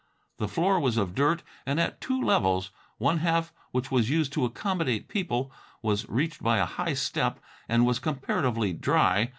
The floor was of dirt and at two levels. One half, which was used to accommodate people, was reached by a high step and was comparatively dry.